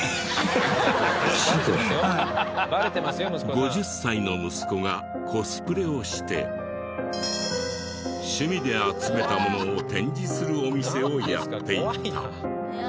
５０歳の息子がコスプレをして趣味で集めたものを展示するお店をやっていた。